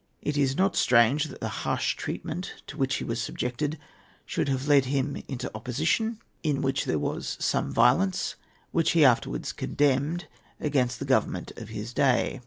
It is not strange that the harsh treatment to which he was subjected should have led him into opposition, in which there was some violence, which he afterwards condemned, against the Government of the day.